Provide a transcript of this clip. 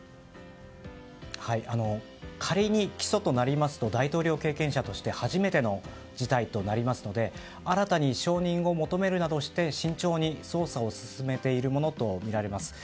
仮に起訴となりますと大統領経験者として初めての事態となりますので新たに承認を求めるなどして慎重に捜査を進めているものとみられます。